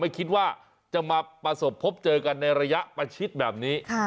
ไม่คิดว่าจะมาประสบพบเจอกันในระยะประชิดแบบนี้